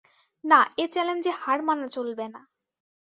না, এ চ্যালেঞ্জে হার মানা চলবে না।